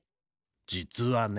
じつはね。